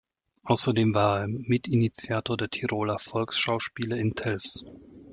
Außerdem war er Mitinitiator der Tiroler Volksschauspiele in Telfs.